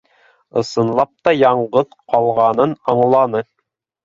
Ысынлап та яңғыҙ ҡалғанын аңланы.